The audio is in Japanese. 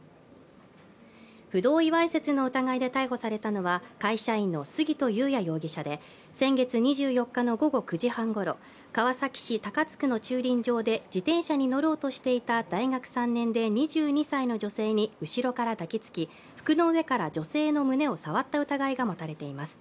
不同意わいせつの疑いで逮捕されたのは、会社員の杉戸勇也容疑者で先月２４日の午後９時半ごろ、川崎市高津区の駐輪場で、自転車に乗ろうとしていた大学３年で２２歳の女性に後ろから抱きつき、服の上から女性の胸を触った疑いが持たれています。